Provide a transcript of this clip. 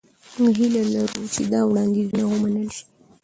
موږ هیله لرو چې دا وړاندیزونه ومنل شي.